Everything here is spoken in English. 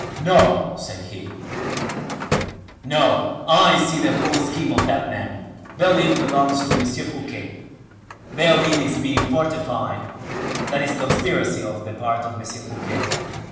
"No," said he, "no; I see the whole scheme of that man. Belle Isle belongs to M. Fouquet; Belle Isle is being fortified: that is a conspiracy on the part of M. Fouquet.